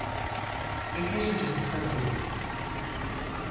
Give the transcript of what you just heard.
Yeterince hızlı değil.